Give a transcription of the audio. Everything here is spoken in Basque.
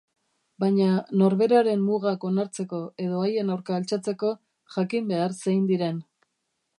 Baina norberaren mugak onartzeko edo haien aurka altxatzeko jakin behar zein diren.